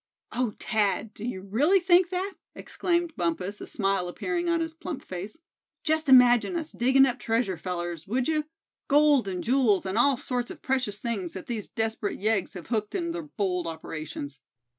"Oh! Thad, do you really think that?" exclaimed Bumpus, a smile appearing on his plump face; "just imagine us diggin' up treasure, fellers, would you; gold, and jewels, and all sorts of precious things that these desperate yeggs have hooked in their bold operations?